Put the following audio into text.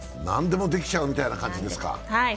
何でもできちゃうみたいな感じですか。